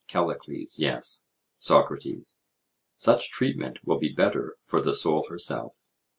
CALLICLES: Yes. SOCRATES: Such treatment will be better for the soul herself?